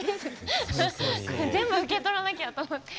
全部受け取らなきゃと思って。